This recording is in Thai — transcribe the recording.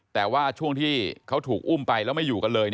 แต่ว่าช่วงที่เขาถูกอุ้มไปแล้วไม่อยู่กันเลย